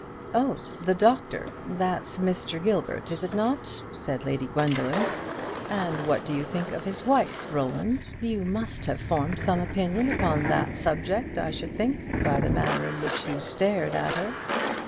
"Oh, the doctor? that's Mr. Gilbert, is it not?" said Lady Gwendoline; "and what do you think of his wife, Roland? You must have formed some opinion upon that subject, I should think, by the manner in which you stared at her."